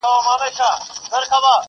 چي د غرونو په لمن کي ښکار ته ساز و,